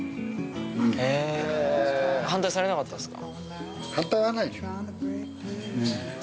うんへえ反対されなかったんですか？